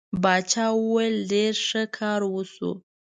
باچا وویل ډېر ښه کار وشو.